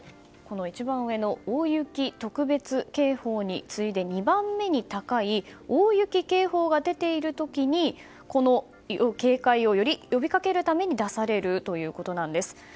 一番上の大雪特別警報に次いで２番目に高い大雪警報が出ている時に警戒をより呼びかけるために出されるということなんです。